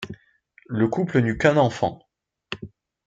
Le couple n'eut qu'un enfant.